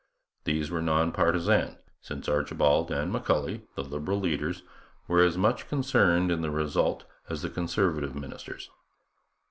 These were non partisan, since Archibald and McCully, the Liberal leaders, were as much concerned in the result as the Conservative ministers.